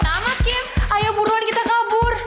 cepet amat kim ayo buruan kita kabur